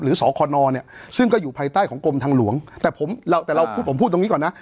สคนเนี่ยซึ่งก็อยู่ภายใต้ของกรมทางหลวงแต่ผมเราแต่เราพูดผมพูดตรงนี้ก่อนนะ